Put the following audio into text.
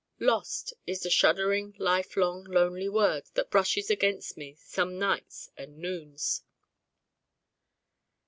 'Lost' is the shuddering life long lonely word that brushes against me some nights and noons.